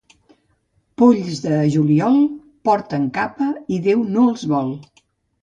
Polls de juliol, porten capa i Déu no els vol.